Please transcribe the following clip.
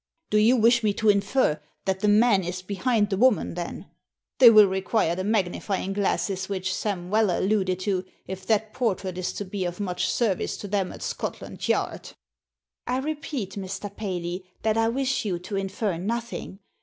" Do you wish me to infer that the man is behind the woman then ? They will require the magnify ing glasses which Sam Weller alluded to, if that portrait is to be of much service to them at Scotland Yard." Digitized by Google THE PHOTOGRAPHS 25 "I repeat, Mr. Paley, that I wish you to infer nothing.